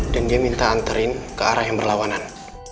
dan dia minta anterin ke arah yang berlawanan